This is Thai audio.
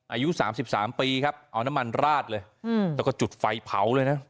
อายุสามสิบสามปีครับเอาน้ำมันราดเลยอืมแล้วก็จุดไฟเผาเลยน่ะ